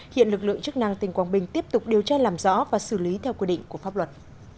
hiện lực lượng chức năng tỉnh quảng bình tiếp tục điều tra làm rõ và xử lý theo quy định của pháp luật